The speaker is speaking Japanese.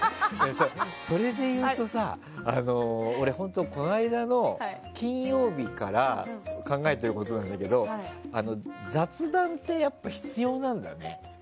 それで言うとさ、俺本当、この間の金曜日から考えてることなんだけど雑談ってやっぱり必要なんだね。